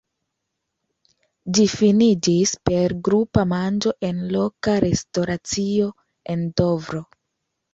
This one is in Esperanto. Ĝi finiĝis per grupa manĝo en loka restoracio en Dovro.